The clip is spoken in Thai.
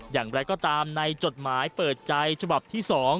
อย่างไรก็ตามในจดหมายเปิดใจฉบับที่๒